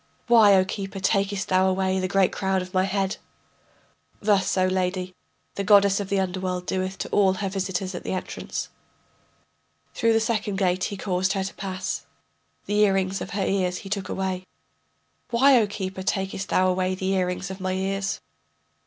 Why, O keeper, takest thou away the great crown of my head? Thus, O lady, the goddess of the underworld doeth to all her visitors at the entrance. Through the second gate he caused her to pass, The earrings of her ears he took away. Why, O keeper, takest thou away the earrings of my ears?